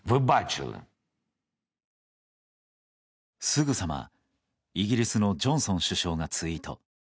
すぐさま、イギリスのジョンソン首相がツイート。